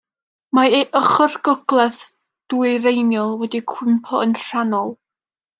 Mae ei ochr gogledd dwyreiniol wedi cwympo yn rhannol.